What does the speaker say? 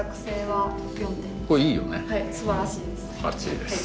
はいすばらしいです。